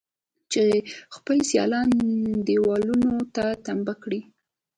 چې خپل سيالان دېوالونو ته تمبه کړي.